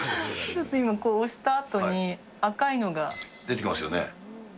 ちょっと今押したあとに赤い出てきますよね。